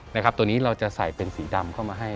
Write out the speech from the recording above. นะครับตัวนี้เราจะใส่เป็นสีดำเข้ามาให้